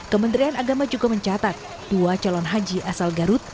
kementerian agama juga mencatat dua calon haji asal garut